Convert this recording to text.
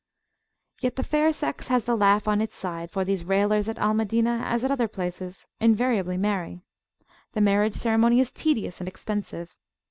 Yet the fair sex has the laugh on its side, for these railers at Al Madinah as at other places, invariably marry. The [p.23]marriage ceremony is tedious and expensive.